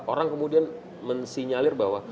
orang kemudian mensinyalir bahwa